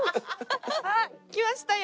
あっきましたよ！